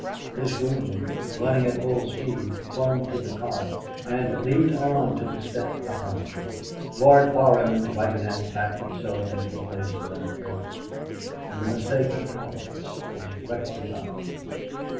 His groom, running at full speed, clung to the cart and leaped on to the step behind. Lord Quarryman's wagonette backed itself into the place left vacant. And the mistake of Providence was rectified.